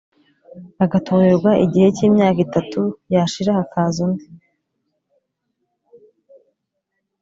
bagatorerwa igihe cy imyaka itatu yashira hakaza undi